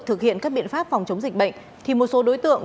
thực hiện các biện pháp phòng chống dịch bệnh thì một số đối tượng